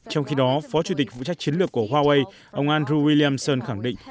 trong khi đó phó chủ tịch vũ trách chiến lược của huawei ông andrew williamson khẳng định